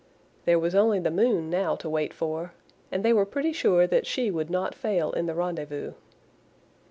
There was only the moon now to wait for; and they were pretty sure that she would not fail in the rendezvous.